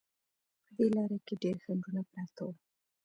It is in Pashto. په دې لاره کې ډېر خنډونه پراته وو.